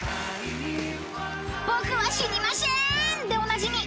［「僕は死にましぇん！」でおなじみ